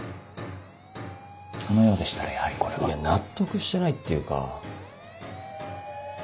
そのようでしたらやはりこれは。いや納得してないっていうか。